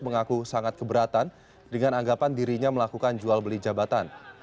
mengaku sangat keberatan dengan anggapan dirinya melakukan jual beli jabatan